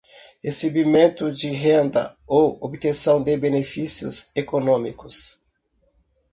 recebimento de renda ou obtenção de benefícios econômicos;